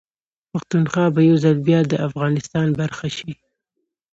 پښتونخوا به يوځل بيا ده افغانستان برخه شي